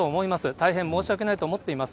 大変申し訳ないと思っています。